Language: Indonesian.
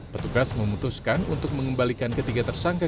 petugas memutuskan untuk mengembalikan ketiga tersangka